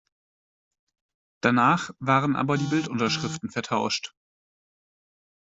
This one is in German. Danach waren aber die Bildunterschriften vertauscht.